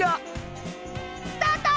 スタート！